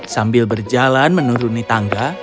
sambil berjalan menuruni tangga